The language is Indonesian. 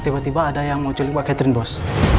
tiba tiba ada yang mau culik mbak catherine bos